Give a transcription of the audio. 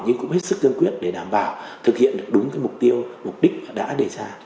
nhưng cũng hết sức dân quyết để đảm bảo thực hiện được đúng mục tiêu mục đích đã đề ra